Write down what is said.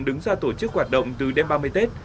đứng ra tổ chức hoạt động từ đêm ba mươi tết